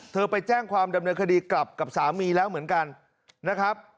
ไปแจ้งความดำเนินคดีกลับกับสามีแล้วเหมือนกันนะครับ